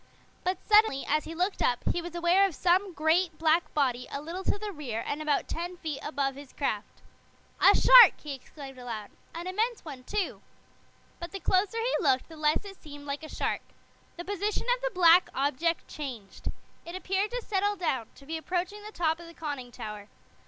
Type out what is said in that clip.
But suddenly, as he looked up, he was aware of some great, black body a little to the rear and about ten feet above his craft. "A shark!" he exclaimed aloud. "An immense one, too." But the closer he looked the less it seemed like a shark. The position of the black object changed. It appeared to settle down, to be approaching the top of the conning tower.